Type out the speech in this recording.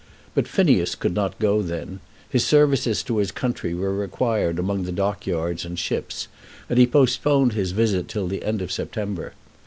But Phineas could not go then. His services to his country were required among the dockyards and ships, and he postponed his visit till the end of September.